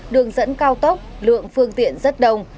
đường dẫn cao tốc lượng phương tiện rất đông